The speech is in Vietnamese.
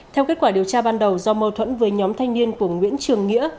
theo kết quả điều tra ban đầu do mâu thuẫn với nhóm thanh niên của nguyễn trường nghĩa